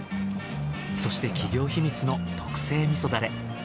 そして企業秘密の特製味噌ダレ。